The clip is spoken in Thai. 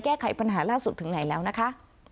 แก้ไขปัญหาล่าสุดถึงไหนแล้วนะคะ